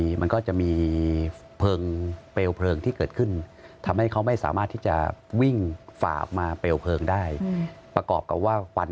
ถ้ามันไปอยู่ตรงหน้าประตูเขาก็คือถ้าเขาออกประตูไม่ได้เขาก็ไปซ้ายไปขวาไม่ได้